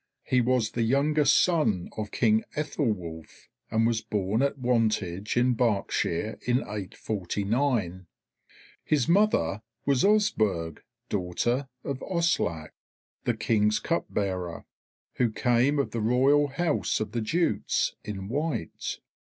] was the youngest son of King Aethelwulf, and was born at Wantage in Berkshire in 849. His mother was Osburh daughter of Oslac the King's cup bearer, who came of the royal house of the Jutes in Wight.